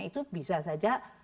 itu bisa saja